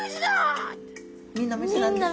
みんなメスなんですね。